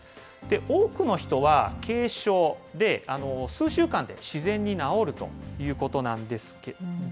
多くの人は軽症で、数週間で自然に治るということなんです。